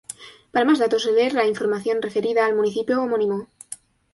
Para más datos, leer la información referida al municipio homónimo.